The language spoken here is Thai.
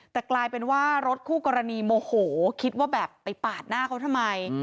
แต่กลายเป็นว่ารถคู่กรณีโมโหคิดว่าแบบไปปาดหน้าเขาทำไม